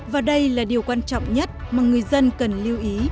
và đây là điều quan trọng nhất mà người dân cần lưu ý